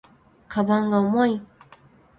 鞄が重い